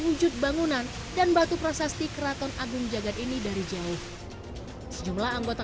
wujud bangunan dan batu prasasti keraton agung jagad ini dari jauh sejumlah anggota